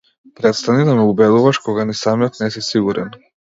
Престани да ме убедуваш кога ни самиот не си сигурен.